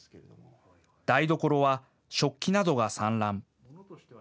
台所は食器などが散乱。